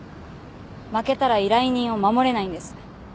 負けたら依頼人を守れないんです。